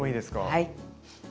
はい。